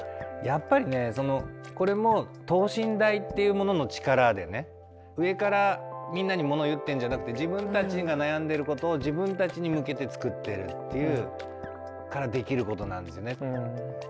やっぱりねそのこれも等身大っていうものの力でね上からみんなに物を言ってるんじゃなくて自分たちが悩んでいることを自分たちに向けて作ってるっていうからできることなんですね。